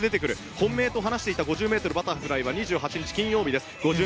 本命と言っていました５０ｍバタフライは２８日です。